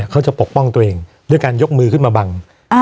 ปกป้องตัวเองด้วยการยกมือขึ้นมาบัง